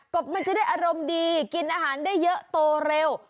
บมันจะได้อารมณ์ดีกินอาหารได้เยอะโตเร็ว